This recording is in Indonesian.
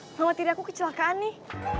nggak mati deh aku kecelakaan nih